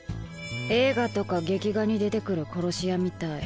映画とか劇画に出て来る殺し屋みたい。